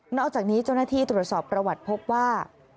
อกจากนี้เจ้าหน้าที่ตรวจสอบประวัติพบว่า